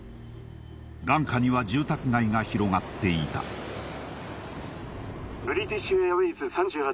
眼下には住宅街が広がっていたブリティッシュ・エアウェイズ３８